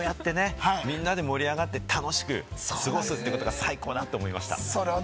こうやってみんなで盛り上がって楽しく過ごすってことが最高だなって思いました。